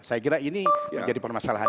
saya kira ini menjadi permasalahan